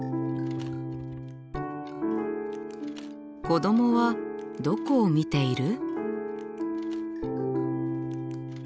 子どもはどこを見ている？